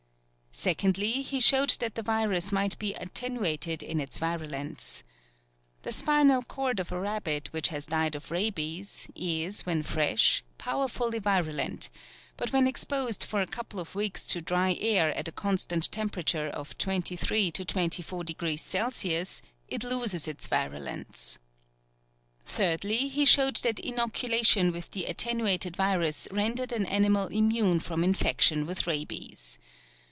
Secondly, he showed that the virus might be attenuated in its virulence. The spinal cord of a rabbit which has died of rabies, is, when fresh, powerfully virulent, but when exposed for a couple of weeks to dry air at a constant temperature of 23° 24°C. it loses its virulence. Thirdly, he showed that inoculation with the attenuated virus rendered an animal immune from infection with rabies.